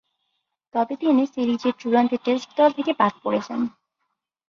তবে, তিনি সিরিজের চূড়ান্ত টেস্টে দল থেকে বাদ পড়ে যান।